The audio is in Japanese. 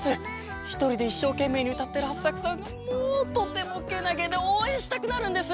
ひとりでいっしょうけんめいにうたってるハッサクさんがもうとてもけなげでおうえんしたくなるんです！